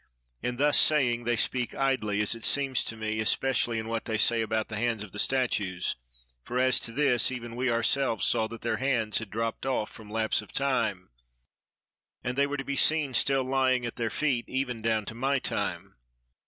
In thus saying they speak idly, as it seems to me, especially in what they say about the hands of the statues; for as to this, even we ourselves saw that their hands had dropped off from lapse of time, and they were to be seen still lying at their feet even down to my time.